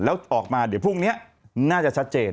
แล้วออกมาเดี๋ยวพรุ่งนี้น่าจะชัดเจน